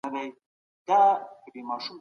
دفاع وزارت سیاسي بندیان نه ساتي.